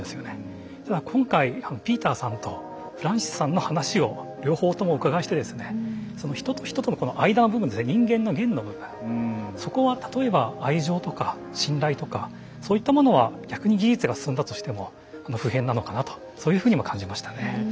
ただ今回ピーターさんとフランシスさんの話を両方ともお伺いしてですね人と人との間の部分ですね人間の「間」の部分そこは例えば愛情とか信頼とかそういったものは逆に技術が進んだとしても普遍なのかなとそういうふうにも感じましたね。